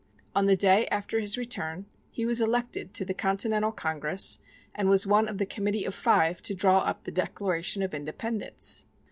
On the day after his return he was elected to the Continental Congress, and was one of the committee of five to draw up the Declaration of Independence.